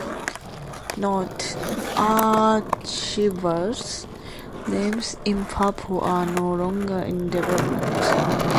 Note: Archivers names in purple are no longer in development.